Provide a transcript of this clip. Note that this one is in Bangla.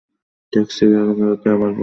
ট্যাক্সিতে ওগুলো আবার পড়ে দেখলাম।